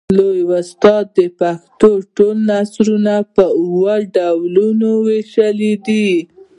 لوى استاد د پښتو ټول نثرونه پر اوو ډولونو وېشلي دي.